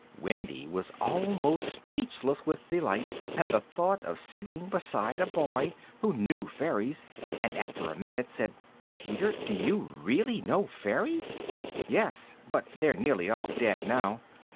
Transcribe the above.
Wendy was almost speechless with delight at the thought of sitting beside a boy who knew fairies, and after a minute said: "Peter, do you really know fairies?" "Yes, but they're nearly all dead now.